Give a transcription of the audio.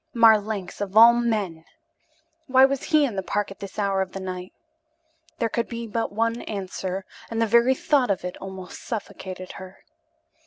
Marlanx, of all men! Why was he in the park at this hour of the night? There could be but one answer, and the very thought of it almost suffocated her.